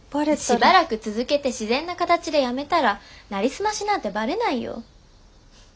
しばらく続けて自然な形で辞めたらなりすましなんてバレないよ。